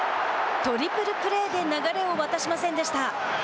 トリプルプレーで流れを渡しませんでした。